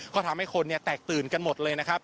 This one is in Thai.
ก็ทำให้คนแตกตื่นกันหมดเลยนะครับ